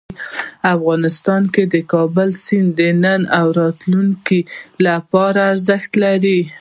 افغانستان کې د کابل سیند د نن او راتلونکي لپاره ارزښت لري.